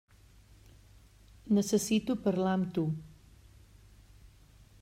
Necessito parlar amb tu.